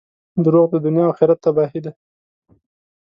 • دروغ د دنیا او آخرت تباهي ده.